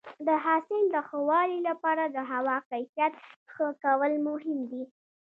د حاصل د ښه والي لپاره د هوا کیفیت ښه کول مهم دي.